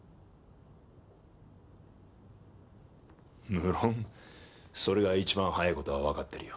無論それが一番早い事はわかってるよ。